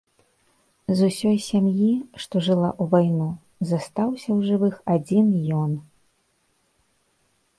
З усёй сям'і, што жыла ў вайну, застаўся ў жывых адзін ён.